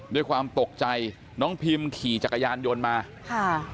ด้วยความตกใจน้องพิมขี่จักรยานยนต์มาค่ะ